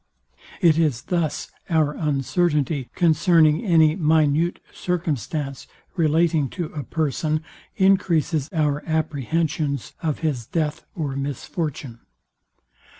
It is thus our uncertainty concerning any minute circumstance relating to a person encreases our apprehensions of his death or misfortune.